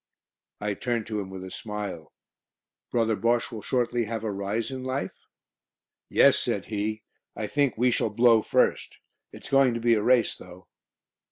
I turned to him with a smile. "Brother Bosche will shortly have a rise in life?" "Yes," said he, "I think we shall 'blow' first. It's going to be a race, though."